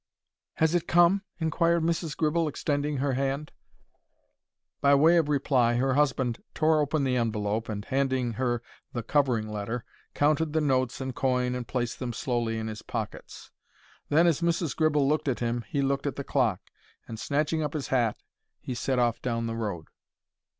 "Has it come?" inquired Mrs. Gribble, extending her hand. By way of reply her husband tore open the envelope and, handing her the covering letter, counted the notes and coin and placed them slowly in his pockets. Then, as Mrs. Gribble looked at him, he looked at the clock, and, snatching up his hat, set off down the road.